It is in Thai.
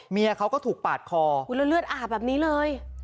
เมียเขาก็ถูกปาดคอแล้วเลือดอาบแบบนี้เลย